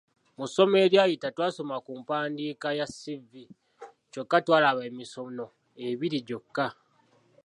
Mu ssomo eryayita twasoma ku mpandiika ya ‘ssivvi’ kyokka twalaba emisono ebiri gyokka.